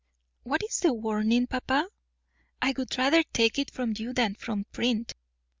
"What is the warning, papa? I would rather take it from you than from print."